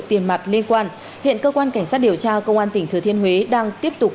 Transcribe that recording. tiền mặt liên quan hiện cơ quan cảnh sát điều tra công an tỉnh thừa thiên huế đang tiếp tục